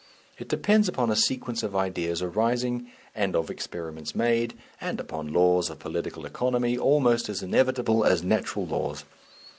It depends upon a sequence of ideas arising, and of experiments made, and upon laws of political economy, almost as inevitable as natural laws.